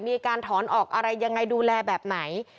มีการถอนออกอะไรยังไงดูแลแบบไหน